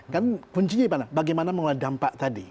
kan kuncinya gimana bagaimana mengelola dampak tadi